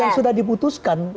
dan sudah diputuskan